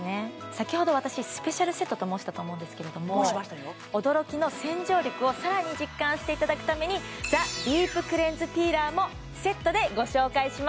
先ほど私「スペシャルセット」と申したと思うんですけれども驚きの洗浄力をさらに実感していただくためにもセットでご紹介します